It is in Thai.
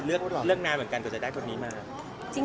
เออเลือกนานเหมือนกันตัวใจได้ตัวนี้มั้ยครับ